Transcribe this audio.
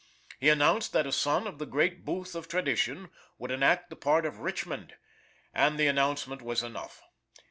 He announced that a son of the great Booth of tradition, would enact the part of Richmond, and the announcement was enough.